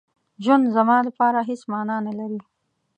ژوند زما لپاره هېڅ مانا نه لري.